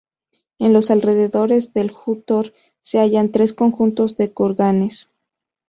En los alrededores del "jútor" se hallan tres conjuntos de kurganes.